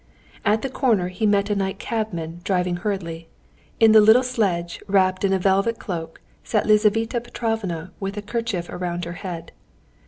At the corner he met a night cabman driving hurriedly. In the little sledge, wrapped in a velvet cloak, sat Lizaveta Petrovna with a kerchief round her head.